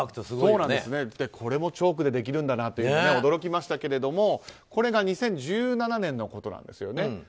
これもチョークでできるんだと驚きましたけれども、これが２０１７年のことなんですね。